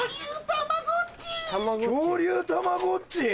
恐竜たまごっち？